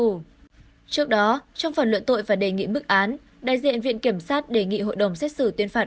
trước đó trong phần luận tội và đề nghị bức án đại diện viện kiểm sát đề nghị hội đồng xét xử tuyên phạt